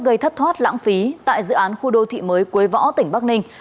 gây thất thoát lãng phí tại dự án khu đô thị mới quế võ tỉnh bắc ninh